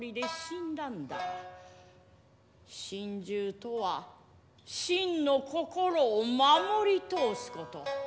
心中とは真の心を守り通すこと。